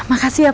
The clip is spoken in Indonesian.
makasih ya pak